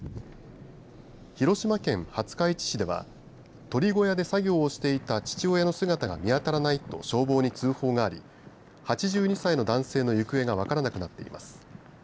広島県廿日市市では鳥小屋で作業していた父親の姿が見当たらないと消防に通報があり８２歳の男性の行方が分からなくなっています。